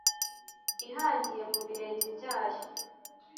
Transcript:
Ihangiye mu birenge byayo